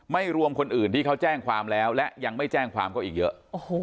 ไม่รวมคนอื่นที่เขาแจ้งความแล้วและยังไม่แจ้งความก็อีกเยอะ